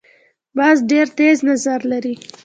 باز ډیر تېز نظر لري